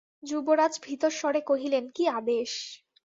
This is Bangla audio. যুবরাজ ভীতস্বরে কহিলেন, কী আদেশ!